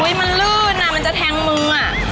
อุ้ยมันลื่นอะมันจะแทงมืออะ